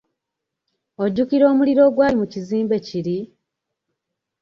Ojjukira omuliro ogwali mu kizimbe kiri?